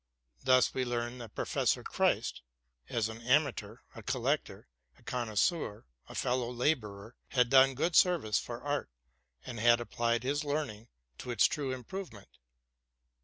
Thus we learned that Professor Christ, as an amateur, a collector, a connoisseur, a fellow laborer, had done good service for art, and had applied his learning to its true improvement.